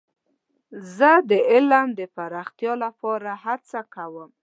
زه د علم د پراختیا لپاره هڅه کوم.